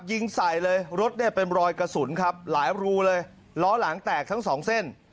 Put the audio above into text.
ยิงใส่เลยรถเนี่ยเป็นรอยกระสุนครับหลายรูเลยล้อหลังแตกทั้งสองเส้น